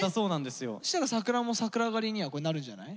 そしたら桜も桜狩りにはなるんじゃない？